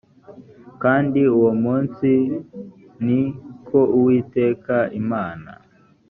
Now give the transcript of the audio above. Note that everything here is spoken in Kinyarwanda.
kandi uwo munsi ni ko uwiteka imana